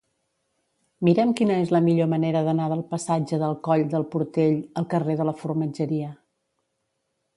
Mira'm quina és la millor manera d'anar del passatge del Coll del Portell al carrer de la Formatgeria.